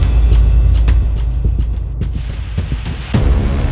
mungkin gue bisa dapat petunjuk lagi disini